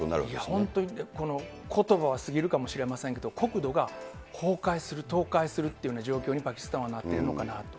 本当にことばがすぎるかもしれませんけれども、国土が崩壊する、倒壊するというような状況にパキスタンはなっているのかなと。